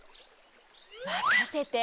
まかせて！